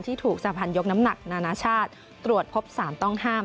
ถูกสาพันธ์ยกน้ำหนักนานาชาติตรวจพบสารต้องห้าม